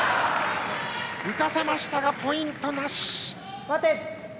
浮かせましたがポイントなし。